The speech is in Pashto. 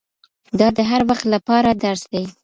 دا د هر وخت له پاره درس دی